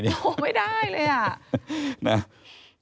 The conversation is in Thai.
ไม่ได้เลย